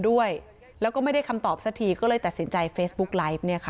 แค่ไม่ได้คำตอบซะทีก็เลยถาดสินใจเฟซบุ๊กไลฟ์